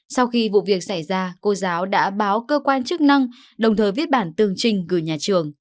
sau khi vụ việc xảy ra cô giáo đã báo cơ quan chức năng đồng thời viết bản tường trình gửi nhà trường